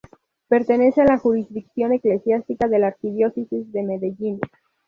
Pertenece a la jurisdicción eclesiástica de la Arquidiócesis de Medellín.